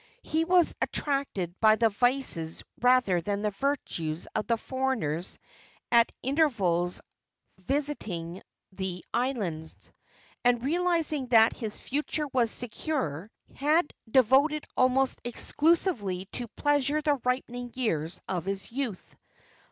He was attracted by the vices rather than the virtues of the foreigners at intervals visiting the islands, and, realizing that his future was secure, had devoted almost exclusively to pleasure the ripening years of his youth.